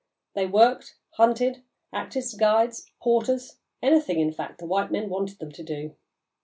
They worked, hunted, acted as guides, porters anything, in fact, the white men wanted them to do.